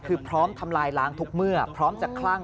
คือพร้อมทำลายล้างทุกเมื่อพร้อมจะคลั่ง